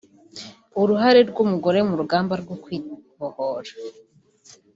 uruhare rw’umugore mu rugamba rwo kwibohora